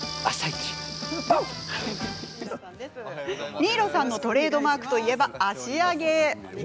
新納さんのトレードマークといえば足上げ。